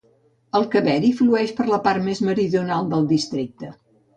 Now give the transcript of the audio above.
El Kaveri flueix per la part més meridional del districte.